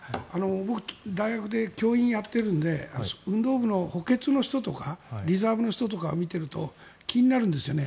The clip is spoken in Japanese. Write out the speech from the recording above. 僕、大学で教員をやっているので運動部の補欠の人とかリザーブの人とかを見てると気になるんですよね。